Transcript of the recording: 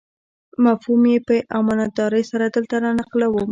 مفهوم یې په امانتدارۍ سره دلته رانقلوم.